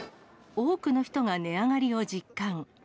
多くの人が値上がりを実感。